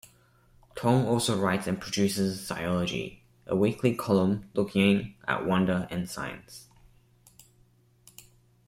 Tong also writes and produces "Ziyology", a weekly column looking at wonder and science.